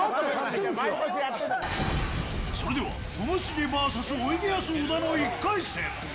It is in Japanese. それでは、ともしげｖｓおいでやす小田の１回戦。